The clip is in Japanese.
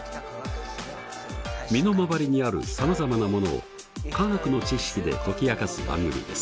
身の回りにあるさまざまなものを化学の知識で解き明かす番組です。